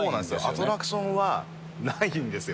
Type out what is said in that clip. アトラクションはないんですよ。